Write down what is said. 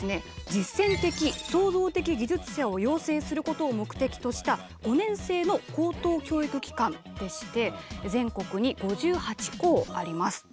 実践的創造的技術者を養成することを目的とした５年制の高等教育機関でして全国に５８校あります。